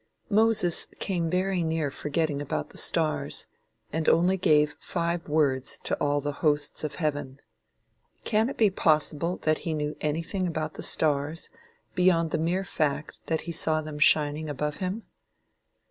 Moses came very near forgetting about the stars, and only gave five words to all the hosts of heaven. Can it be possible that he knew anything about the stars beyond the mere fact that he saw them shining above him?